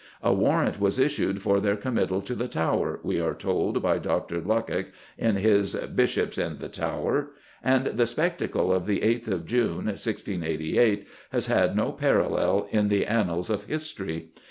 "A warrant was issued for their committal to the Tower," we are told by Dr. Luckock in his Bishops in the Tower, and "the spectacle of the 8th of June has had no parallel in the annals of history.